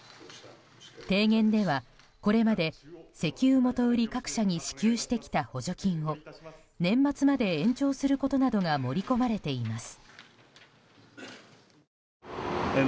提言ではこれまで石油元売り各社に支給してきた補助金を、年末まで延長することなどが盛り込まれています。